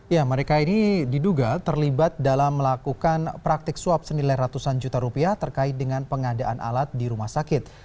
ya mereka ini diduga terlibat dalam melakukan praktik suap senilai ratusan juta rupiah terkait dengan pengadaan alat di rumah sakit